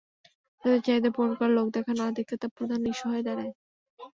তাঁদের চাহিদা পূরণ করা, লোক দেখানো আদিখ্যেতা প্রধান ইস্যু হয়ে দাঁড়ায়।